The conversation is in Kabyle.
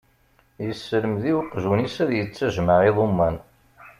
Yesselmed i uqjun-is ad yettajmaɛ iḍumman.